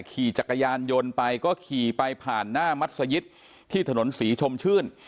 ขี่จักรยานยนต์ไปก็ขี่ไปผ่านหน้ามัศยิตที่ถนนศรีชมชื่น